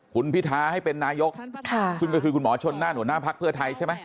คุณพิทาให้เป็นนายกซึ่งก็คือคุณหมอชนน่านหัวหน้าพักเพื่อไทยใช่ไหม